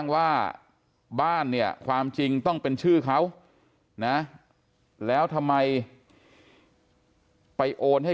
ว่าบ้านเนี่ยความจริงต้องเป็นชื่อเขานะแล้วทำไมไปโอนให้